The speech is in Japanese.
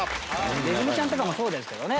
ネズミちゃんとかもそうですけどね。